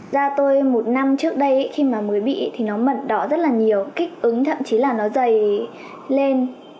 da tôi một năm trước đây khi mà muối bị thì nó mận đỏ rất là nhiều kích ứng thậm chí là nó dày lên